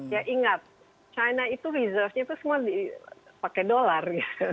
ya ingat china itu reserve nya itu semua pakai dollar